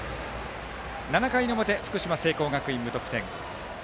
７回の表福島・聖光学院、無得点。